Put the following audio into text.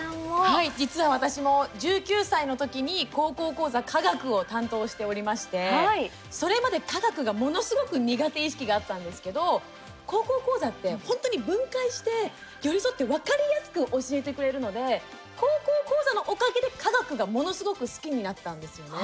はい、実は私も１９歳の時に「高校講座化学」を担当しておりましてそれまで化学が、ものすごく苦手意識があったんですけど「高校講座」って本当に分解して、寄り添って分かりやすく教えてくれるので「高校講座」のおかげで化学がものすごく好きになったんですよね。